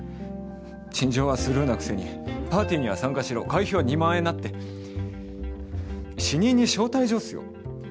陳情はスルーなくせにパーティーには参加しろ会費は２万円なって死人に招待状っすよ？